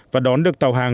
và đón được tàu hàng